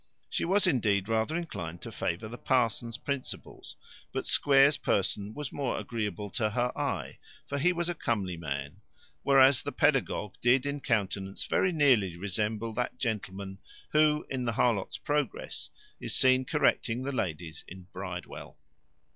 She was, indeed, rather inclined to favour the parson's principles; but Square's person was more agreeable to her eye, for he was a comely man; whereas the pedagogue did in countenance very nearly resemble that gentleman, who, in the Harlot's Progress, is seen correcting the ladies in Bridewell.